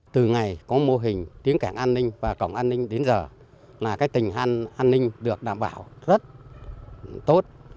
từ ngày có mô hình tiếng cảnh an ninh và cổng an ninh đến giờ là cái tình an ninh được đảm bảo rất tốt